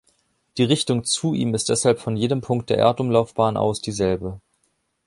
Die Richtung zu ihm ist deshalb von jedem Punkt der Erdumlaufbahn aus dieselbe.